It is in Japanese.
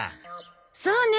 そうね。